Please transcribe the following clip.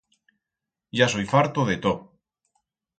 Ya soi farto de tot.